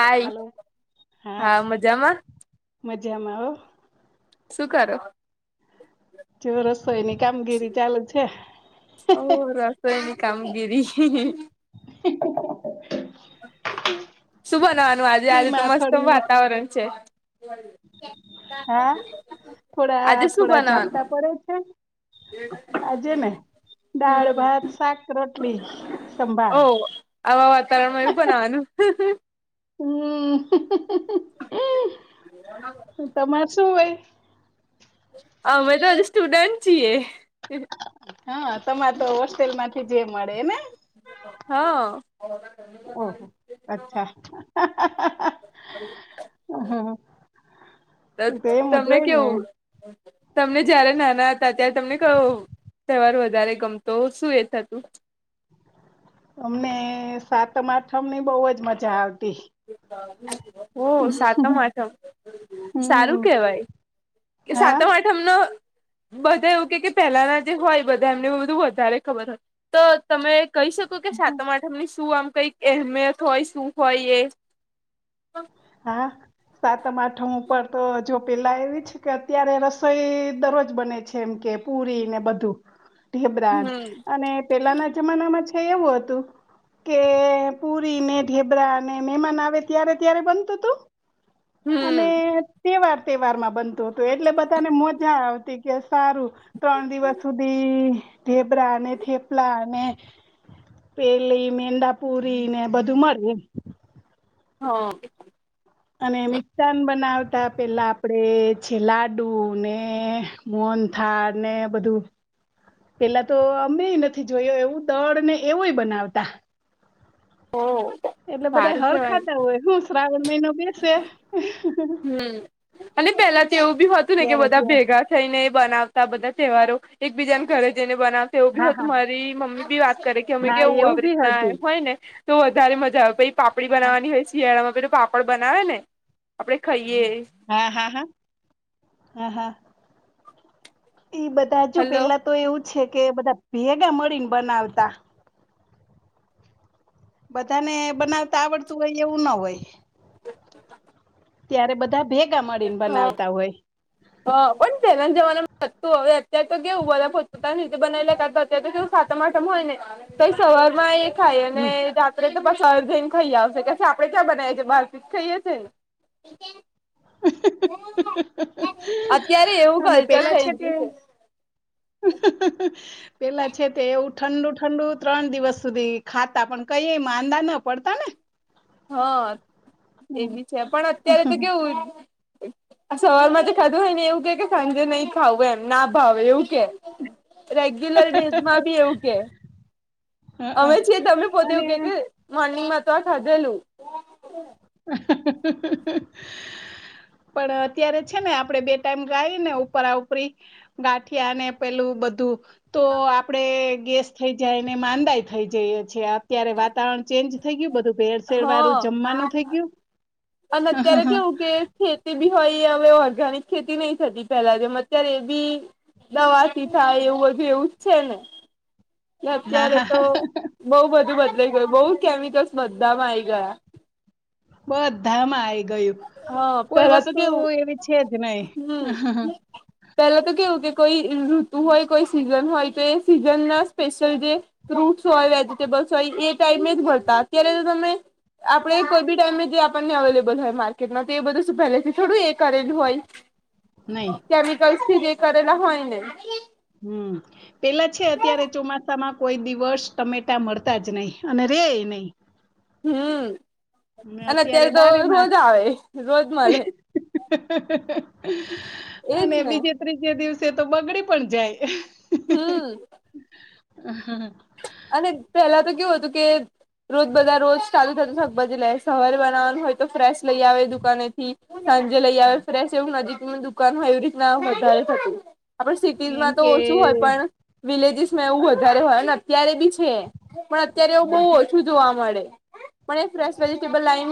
હાય hello હા મજામાં આવ. સુું કરર. જો રસોઈની કામગીરી ચાલુ છે. કોઈની કામગીરી. [unintelligible] શું બનવાનું આજે આજે તો ફ્રીમાં મસ્ત થોડી વખત વાતાવરણ છે. હા થોડા આજે શું થોડા ઝાપટા બનાવાનું પડે છે. આજે ને દાળ હમ ભાત શાક રોટલી ઓ સંભાર. આવા વાતાવરણમાં એવું પણ આનું. હમ. હ, તમાર શું હોય? અ મે તો અજે સ્ટુડેન્ટ છી એ. હા તમારે તો હોસ્ટેલ માંથી જે મળે ને. હા. હ. ઓહો અચ્છા. હા. તમને ને કેવું તમને જયારે નાના હતા ત્યારે તમને કહું તહેવાર વધારે ગમતો શું એ થતું. અમને સાતમ આઠમની બહુ જ મજા આવતી. હો સાતમ આઠમ. હમ સારું કેવાય કે હા સાત આઠમનો- બધા એવું કે પહેલાના જે હોય બધા એમને બધું વધારે ખબર. તો તમે કહી શકો કે સાતમ આઠમ ની શું આમ કઈક અહેમિયત હોય શું હોય એ. હા. સાતઠા ઉપર તો જો પેલા એવી છે કે અત્યારે રસોઈ દરરોજ બને છે એમ કે પુરી ને બધું ઢેબરાન હમ અને પેલાના જમાનામાં છે એવું હતું. કે પુરીને ઢેબરાને મહેમાન આવે ત્યારે ત્યારે બન અને હમ તવાર તવારમાં બ એટલે બધાને મજા આવતી કે સારું ત્રણ દિવસ સુધી ઢેબ્રાને પલાને પેલી મેડાાપુરી ને બધું મળ એ. હ. અને મિકઠ્ઠાન બનાવતા પેલા આપડે છે લાડુ ને. મોન થાળ ને બધું. પેલા તો અમે નથી જોયો એવું દળ ને એવું બનાવતા. હમ. એટલે બધા હર ખાતા હોય હું શ્રાવણ મહિનો બેસે. હમ અને પેલા તો એવું બી હતું ને કે ત્યારે બધા ત્યાં ભેગા થઈ ને બનાવતા બધા તહેવારો એક બીજાને ઘરે જઈને બનાવતા તેવું બી હા હતું હા મારી મમ્મી બી વાત કરે કે અમે હા કેવું એવું આવી બી રીતના હતું હોય ને તો વધારે મજા આવે પછી પાપડી હા બનાવવાની હોય શિયાળામાં તો પાપડ બનાવે ને. આપડે ખાઈએ હા, હા, હા, હા, હા. એ બધા હજુ હલો પેલા તો એવું છે કે બધા ભેગા મળીને બનાવતા બધા ને બનાવતા આવડતું હોય એવું ના હોય. ત્યારે બધા ભેગા મળીને હ બનાવતા હોય. હા, પણ તેના જમાનાતું હવે અત્યારે તો કેવું બધા પોત પોતાની રીતે બનાલા તો કેવું કે સાત આઠમ હોય ને તો સવાર માં એ ખાય અને હમ આપ તો બાર જઈને ખાઈ આવશે કે આપડે ત્યાં બનાવીએ છીએ બારથી જ ખાઈએ છીંએ. અત્યારે એવું અને કલ્ચર પેલા થઈ તે ગયું છે. પેલા છે તે એવું ઠંડુ ઠંડુ ત્રણ દિવસ સુધી ખાતા પણ કઈ માંદા ન પડતા ને. હા એ બી છે, પણ અત્યારે તો કેવું સવારમાં તો ખાધું હોય ને એવું કે કે સાંજે નહી ખાવું એમ ના ભાવે એવું કે રેગ્યુલર ડીશમાં બી એવું કે. હઅ અમે છીએ તમને પોતે અને એવું કે મોર્નિંગમાં તો આ ખાધેલું. [inaudible] પણ અત્યારે છે ને આપડે બે ટાઈમ ગાય ને ઉપરા ઉપરી ગાંઠિયા ને પેલું બધું તો આપડે ગેસ થઈ જાયને માંદા થઈ જઈએ અત્યારે વાતાવરણ ચેન્જ થઈ ગયું બધું ભેળસેેળ વારું હા જમવાનું થઈ ગયું. અને અત્યારે કેવું કે ખેતી બી હોય હવે ઓર્ગેાનિક ખેતી નહી થતી પેલા જેમ અત્યારે એ બી દવાથી થાય એવું બધું એવું જ છે ને કે હા અત્યારે હા તો હા બહું બધું બદલાઈ ગયું બઉુ કેમિકલ્સ બધામાં આવી ગયા. બધામાં આઈ ગયું હા કોઈ પેલા તો વસ્તુ કેવું એવી છે જ નહીં. હમ પેલા તો કેવું કે કોઈ ઋતુ હોય કોઈ સિઝન હોય તો એ સિઝન ના સ્પેશિયલ જે ફ્રૂટ્સ હોય વેજીિટેબલ્સ હોય એ ટાઈમે જ મડતા અત્યારે જો તમે આપડે કોઈ બી ટાઈમે જે આપણને અવેલેબલ હોય માર્કેટમાં તો એ બધું શું પહેલેથી થોડું એ કરેલું હોય. [inaudible] કેમિકલ્સથી જે કરેલા હોય ને. હમ પેલા છે અત્યારે ચોમાસા માં કોઈ દિવસ ટમેટા મળતાજ નહીિ અને રે નહીં. હમ અને અત્યારે તો બારે માસ રોજ આવે રોજ મળે. એજ અને ને બીજી ત્રીજે દિવસે તો બગડી પણ જાય. હમ. હા. અને પેલા તો કેવું હતું કે રોજ બધા રોજ ચાલુ થતું શાકભાજી સવારે બનાવાનું હોય તો ફ્રેશ લઈ આવે દુકાને થી. સાંજે લઈ આવે ફ્રેેશ એવું નજીક દુકાન હોય રીતના વધારે થતું. આપણે એમ સિટીઝમાં કે ઓછું હોય પણ વિલેજીસમાં એવું વધારે હોય અત્યારે બી છે પણ અત્યારે એવું બહું ઓછું જોવા મળે પણ ફ્રેશ વેજીિટેબલ લાઈ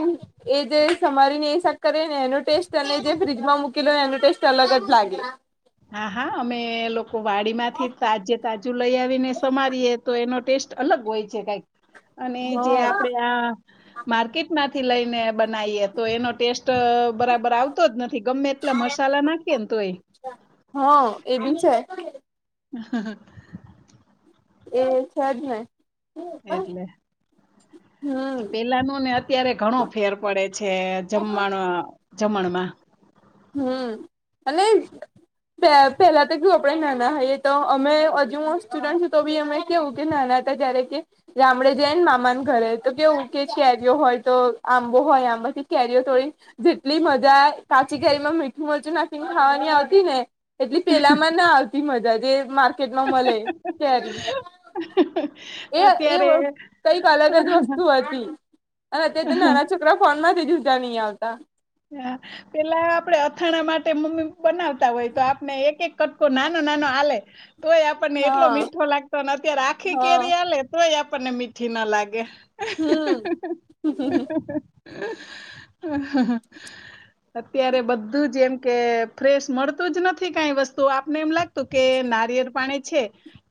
એ જે સમારીને એ શાક કરીે ને એનો ટેસ્ટ અને જે ફ્રીજમાં મૂકીલોને એનો ટેસ્ટ અલગજ લાગે. હા, હા, અમે લોકો વાડી માંથી તાજે તાજું લઈ આવીને સમારીએે તો એનો ટેસ્ટ અલગ હોય છે કઈક. અને જે આપડે હ આ માર્કેટમાંથી લઈને બનાવીએ તો એનો ટેસ્ટ બરાબર આવતો જ નથી ગમે એટલા મસાલા નાખીએ ને તો એ હ એ બી છે. હ. એ છે, જ ને એટલે. હમ પેલા ન ને અત્યારે ઘણો ફેર પડે છે, જમવાણ જમણમાં. હમ અને પે પેલા તો કેવુ આપડે નાના હોઈએ તો અમે હજુ હું સ્ટુડન્ટ છું તો બી અમે કેવું કે નાના હતા જયારે કે ગામડે જાય ને મામા ના ઘરે તો કેવું કે કેરીઓ હોય તો આંબો હોય આંબાથી કેરીઓ થોડી જેટલી મજા ચી કેરીમાં મીઠું મરચું નાખીને ખાવાની આવતી ને એટલી પેલા માં ના આવતી મજા જે મા કેટમા મલે કેરી એ એ અત્યારે કઈક અલગ જ વસ્તુ હતી અને અત્યારે ત નાના છ છોકરા ફોન માંથી જુદા ની આવતા હા પેલા આપડે અથાણા માટે મમ્મી બનાવતા હોય તો આપને એક એક કટકો નાનો નાનો આલે તોય આ પણને એટલો હા મીઠો લાગતો અત્યારે આખી હા કેરી આલે તોય આપણને મીઠી ના લાગે હમ. [inaudible] અત્યારે બધું જ એમ કે ફ્રેશ મળતું જ નથી કાઈ વસ્તુ આપને એમ લા તુ કે નારિયેર પાણી છે,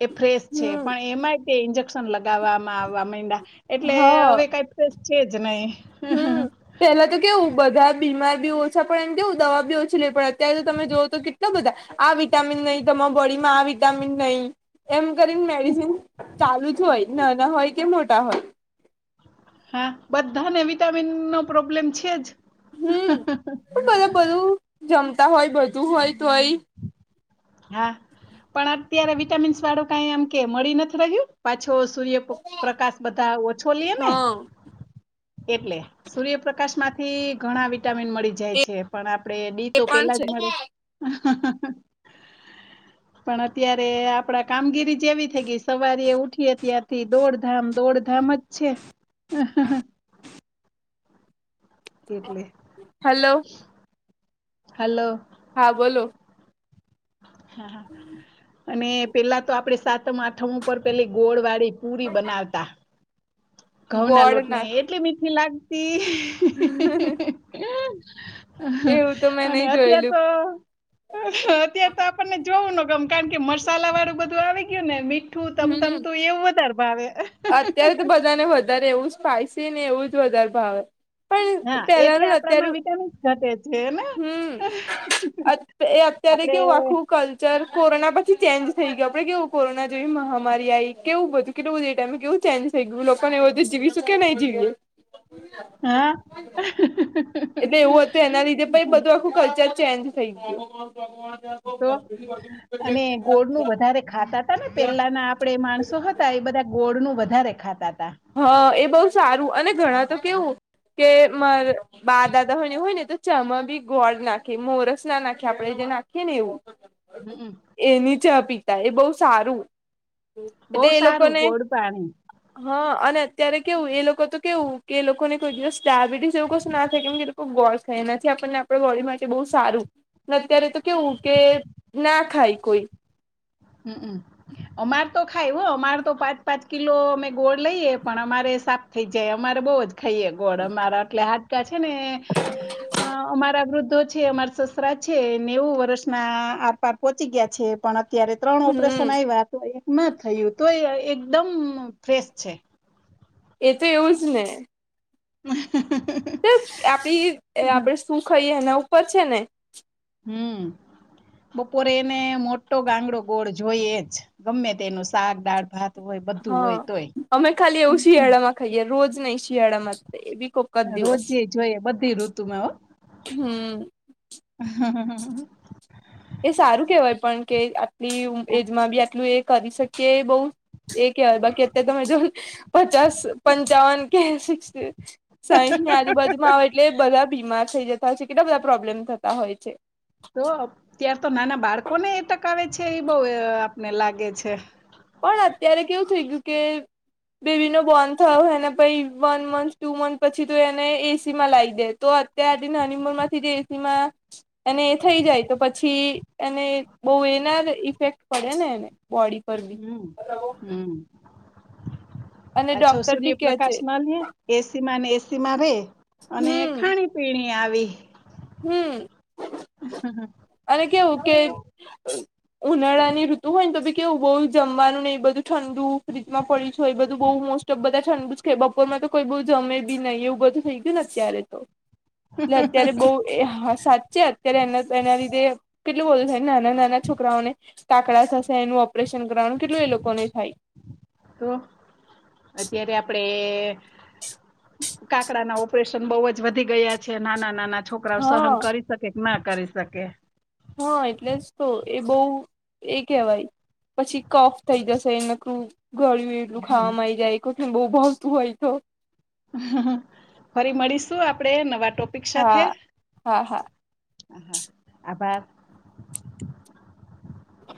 એ ફ્રેશ છે, હમ પણ એમાં ઇન્જેક્શન લગાવવામાં આવા મયડા એટલે હા હવે કઈ છે, જ નહી હમ. પેલા તો કેવું બધા બીમાર બી ઓછા પડે ને કેવું દવા બી ઓછી લેવી પડે અત્યારે તો તમે જોવઓ તો કેટલા બધા આ વિટામીન નહી તમારા બોડીમાં આ વિટામીન નહી એમ કરીને મેડિસિન ચાલુ જ હોય નાના હોય કે મોટા હોય હા બધાને વિટામીન નો પ્રોબ્લેમ છે, જ હમ પણ બધા બધું જમતા હોય બધું હોય તોય હા પણ અત્યારે વિટામીન્સ વાળું કઈ એમ કે મળી નથી રહ્યું પાછો સૂર્યપકાશ બધા ઓછો લીએ ને હા એટલે સૂર્યપ્રકાશ માંથી ઘણા વિટામિન મળી જાય એ છે. પણ આપડે ડી એ તો પણ પેલા જ છે મળે પણ અત્યારે આપડા કામગીરી જેવી થઈ ગઈ સવારે ઉઠીએ ત્યાંથી દોડધામ દોડધામ જ છે. એટલે હાલો. હાલો. હા બોલો હા હા. અને પેલા તો આપડે સાતમ આઠમ ઉપર પેલી ગોળ વાળી પુરી બનાવતા ઘઉં ના ગોળ લોટ ને નાખે એટલી મીઠી લાગતી એવું તો મેં અને ની અત્યાર જોયલું તો અત્યારે તો આપણને જોવું ન ગમ કારણ કે મસાલા વાળું બધું આવી ગયું ને મી ઠું તમ તમ હમ તું એવું વધારે ભાવે અત્યારે તો બધાને વધારે એવું સ્પાઈસીને એવું જ વધારે ભાવે પણ હા એટલે પેલાનું અત્યારે આપડામાં વિટામીન્સ ઘટે છે, ને હમ એ અત્યારે આપડે કેવું આખું કલ્ચર કોરોના પછી ચેન્જ થઈ ગયું આપડે કેવું કોરોના જેવી મહામારી આયી કેવું બધું કેટલું બધું એ ટાઈમે કેવું ચેન્જ થઈ ગયું લોકોને એવુંતુ જીવીશું કે નહીં જીવું હા. એટલે એવું હતું એના લીધે પણ બધું આખું કલ્ચર ચેન્જ થઈ ગયું. તો અને ગોળ નું વધારે ખાતા તા ને પેલાના આપણે માણસો હતા એ બધા ગોળ નું વધારે ખાતા હતા. હા એ બઉ સારું અને ઘણા તો કેવું કે મારે બા દાદાની હોય ને તો ચામાં બી ગોળ નાખે મોરસ નાખે આપણે જે નાખીએ ને એવું. હુકુ. એની ચા પીતા એ બહુ સારું. બહુ એટલે એ લોકો સારું ને ગોળ પાણી. હા અને અત્યારે કેવું એ લોકો તો કેવું કે એ લોકોને કોઈ દિવસ ડાયાબિટીસ એવું કશું ના થાય કેમ કેધું ગોળ ખાય એનાથી આપણને આપડા બોડી માટે બહુ સારું. અત્યારે તો કેવું કે ના ખાય કોઈ. હુકુ. અમાર તો ખાય હો અમાર તો પાંચ પાંચ કિલો અમે ગોળ લઈએ પણ અમારે સાપ થઈ જાય અમારે બઉ જ ખાઈએ ગોળ અમારા એટલે હા ત્યાં છે ને અ અમારા વૃદ્ધો છે અમા છે નેવું વર્ષ ના આરપાર પહોંચી ગયા છે પણ અત્યારે ત્રણ હમ ઓપરેશન આવ્યા એકમાં થયું તો એ એકદમ ફ્રેશ છે. એ તો એવું જ ને. હ સર આપડી આપડે શું ખાઈએ એના ઉપર છે ને? હમ્મ. બપોરે એને મોટો ગાંગડો ગોળ જોઈએ જ ગમે તેનું શાક, દાળ, ભાત. હોય બધું હોય હા અમે ખાલી એવું તોય શિયાળામાં ખાઈએ રોજ નહી શિયાળામાં એ બી કો રોજે જોઈએ બધી ઋતુમાં હો. હમ્મ. હા હા હા એ સારું કેહેવાય પણ કે આટલી એજમાં બી આટલું એ કરી શકીએ બવ. એ કહેવાય બાકી અત્યારે તમે જો પચાસ પંચાવન કે સિક સાયન્સની આજુબાજુમાં આવે એટલે બધા બીમાર થઈ જતા હોય છે કેટલા બધા પ્રોબ્લેમ થતા હોય છે. તો ત્યાર તો નાના બાળકોને એટકાવ છે એ બહુ આપને લાગે છે. પણ અત્યારે કેવું થઈ ગયું કે બેબીનો બોર્ન થયો એને પછી વન મંથ ટુ મંથ પછી તો એને એ સી માં લાવી દે તો ત્યારથી નાની ઉમર માંથી જે એ સી માં એને એ થઈ જાય તો પછી એને બહુ એના ઇફેક્ટ પડે ને એને બોડી પર હમ્મ. હાલો. હમ્મ, અને પાછો ડોક્ટર બી કે છે સૂર્યપ્રકાશ ના લેએે. એ સી માં ને એ સી માં રે અને ખાણી પીણી આવી. હમ્મ. હમ હ અને કેવું કે ઉનાળાની ઋતુ હોય ને તો ભી કેવું બહુ જમવાનું ને એ બધું ઠંડુ ફ્રીજમાં પડી છે એ બધું બહુ મો તો બધા છેન ઠંડુ જ કે બપોરમાં તો કોઈ બધુ જમે બી નહીઈ એવ બધું થઈ ગયુંને અત્યારે તો. [inaudible] એટલે અત્યારે બહુ સાચે છે અત્યારે એના એના લીધે કેટલું બધું થાય નાના નાના છોકરાઓને કાકડા થશે એનું ઓપરેશન કરવાનું કેટલું એ લોકોને થાય. તો, અત્યારે આપડે કાકડા ના ઓપરેશન બઉ જ વધી ગયા છે નાના નાના. છોકરાઓ હા સહન કરી શકે કે ના કરી શકે. હા એટલે જ તો એ બહુ એ કહેવાય. પછી કફ થઈ જશે એ નકલું ગળ્યું એટલું ખાવામાં આવી જાયને બહુ ભાવતું હોય તો. ફરી મળીશું આપડે નવા ટોપિક હા સાથે? હા હા હ હા આભાર. હ.